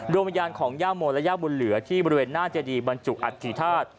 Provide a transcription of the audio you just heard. วิญญาณของย่าโมและย่าบุญเหลือที่บริเวณหน้าเจดีบรรจุอัฐิธาตุ